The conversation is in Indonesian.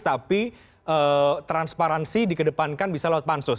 tapi transparansi di kedepankan bisa lewat pansus